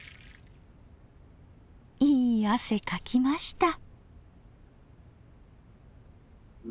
いい汗かきました。